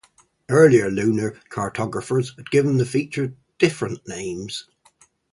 Earlier lunar cartographers had given the feature different names.